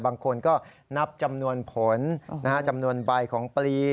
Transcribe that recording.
บางคนก็นับจำนวนผลจำนวนใบของปลี